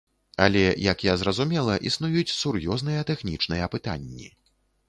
Але, як я зразумела, існуюць сур'ёзныя тэхнічныя пытанні.